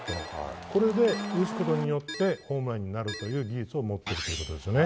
これで打つことによってホームランになるという技術を持っているということですね。